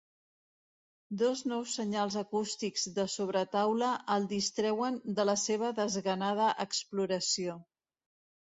Dos nous senyals acústics de sobretaula el distreuen de la seva desganada exploració.